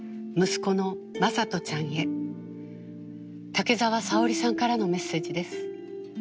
息子の雅人ちゃんへ竹澤さおりさんからのメッセージです。